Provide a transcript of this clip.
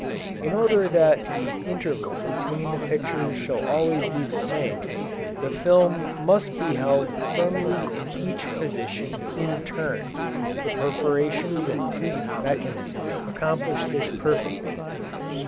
In order that the interval between the pictures shall always be the same, the film must be held firmly in each position in turn; the perforations and toothed mechanism accomplish this perfectly.